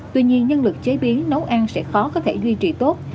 tuy nhiên nhân lực chế biến nấu ăn sẽ khó có thể duy trì tốt